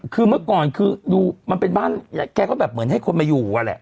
คือเมื่อก่อนคือดูมันเป็นบ้านแกก็แบบเหมือนให้คนมาอยู่อะแหละ